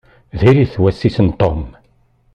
Diri-t wass-is n Tom.